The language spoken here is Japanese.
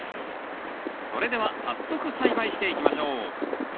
それでは早速栽培していきましょう